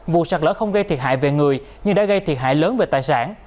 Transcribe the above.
vụ sạt lỡ không gây thiệt hại về người nhưng đã gây thiệt hại lớn về tài sản